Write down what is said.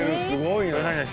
すごいな。